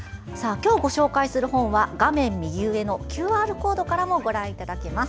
今日ご紹介する本は画面右上のＱＲコードからもご覧いただけます。